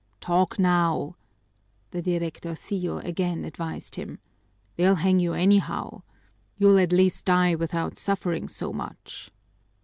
"Talk now," the directorcillo again advised him. "They'll hang you anyhow. You'll at least die without suffering so much."